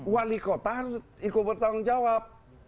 wali kota harus ikut bertanggung jawab